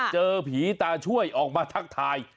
เจอผีตาช่วยออกมาทักทาย